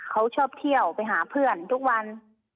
เขาชอบเที่ยวไปหาเพื่อนทุกวัน